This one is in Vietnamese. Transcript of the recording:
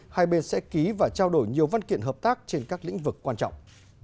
hai bên sẽ ký và trao đổi nhiều văn kiện hợp tác trên các lĩnh vực quan trọng